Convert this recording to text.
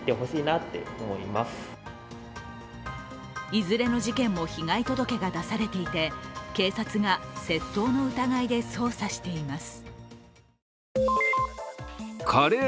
いずれの事件も被害届が出されていて警察が窃盗の疑いで捜査しています。